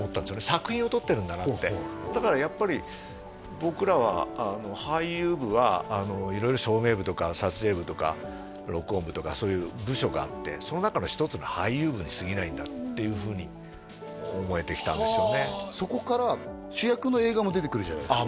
作品を撮ってるんだなってだからやっぱり僕らは俳優部は色々照明部とか撮影部とか録音部とかそういう部署があってその中の一つの俳優部にすぎないんだっていうふうに思えてきたんですよねはあそこから主役の映画も出てくるじゃないですか